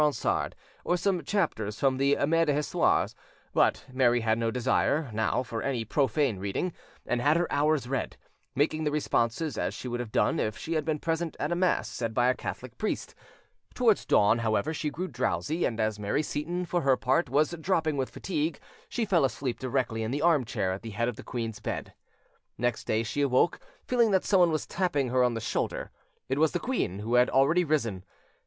Ronsard, or some chapters from the Mer des Histoires; but Mary had no desire now for any profane reading, and had her Hours read, making the responses as she would have done if she had been present at a mass said by a Catholic priest: towards dawn, however, she grew drowsy, and as Mary Seyton, for her part, was dropping with fatigue, she fell asleep directly in the arm chair at the head of the queen's bed. Next day she awoke, feeling that someone was tapping her on the shoulder: it was the queen, who had already arisen.